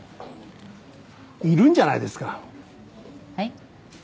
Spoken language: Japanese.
いるんじゃないですかはい？